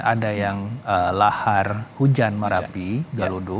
ada yang lahar hujan merapi galudu